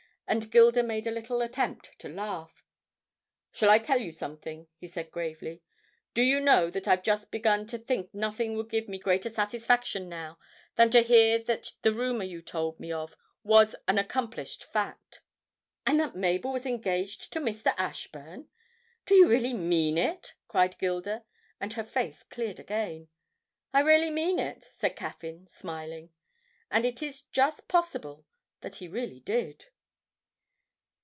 and Gilda made a little attempt to laugh. 'Shall I tell you something?' he said gravely. 'Do you know that I've just begun to think nothing would give me greater satisfaction now than to hear that the rumour you told me of was an accomplished fact.' 'And that Mabel was engaged to Mr. Ashburn? Do you really mean it?' cried Gilda, and her face cleared again. 'I really mean it,' said Caffyn smiling; and it is just possible that he really did.